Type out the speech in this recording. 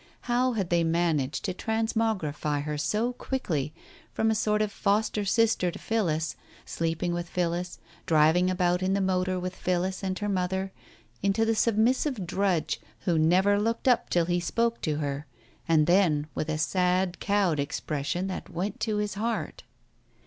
How had they managed to transmogrify her so quickly, from a sort of foster sister to Phillis, sleeping with Phillis, driving about in the motor with Phillis and her mother, into the submis sive drudge who never looked up till he spoke to her, and then with a sad cowed expression that went to his heart